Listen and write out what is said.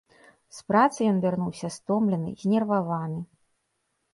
З працы ён вярнуўся стомлены, знерваваны.